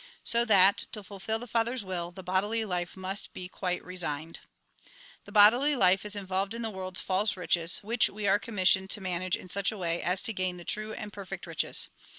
So that, to fulfil the Father's will, the bodily life must be quite resigned. The bodUy Hfe is involved in the world's false riches, which we are commissioned to manage in such a way as to gain the true and perfect riches.